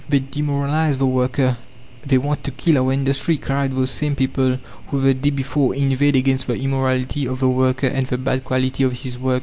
"They demoralize the worker, they want to kill our industry!" cried those same people who the day before inveighed against the immorality of the worker and the bad quality of his work.